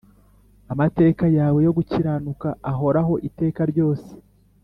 Amateka yawe yogukiranuka ahoraho iteka ryose